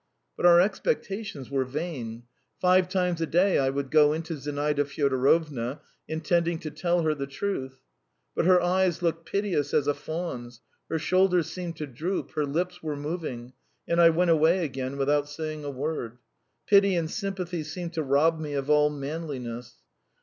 But our expectations were vain. Five times a day I would go in to Zinaida Fyodorovna, intending to tell her the truth, But her eyes looked piteous as a fawn's, her shoulders seemed to droop, her lips were moving, and I went away again without saying a word. Pity and sympathy seemed to rob me of all manliness.